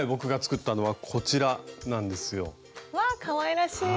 わあかわいらしい！